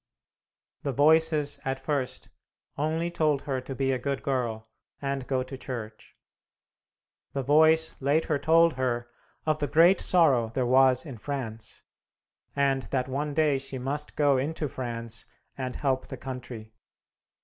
The Voices at first only told her to be a good girl, and go to church. The Voice later told her of the great sorrow there was in France, and that one day she must go into France and help the country.